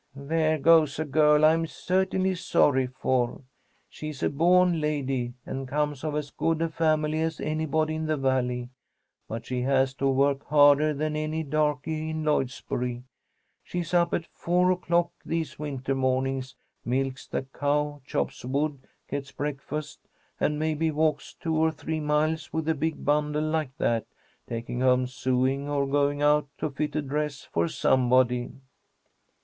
"There goes a girl I'm certainly sorry for. She is a born lady, and comes of as good a family as anybody in the Valley, but she has to work harder than any darkey in Lloydsboro. She's up at four o'clock these winter mornings, milks the cow, chops wood, gets breakfast, and maybe walks two or three miles with a big bundle like that, taking home sewing, or going out to fit a dress for somebody."